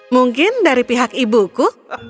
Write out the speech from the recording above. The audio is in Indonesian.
mungkin dari pihak ibuku